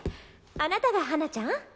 あなたが花ちゃん？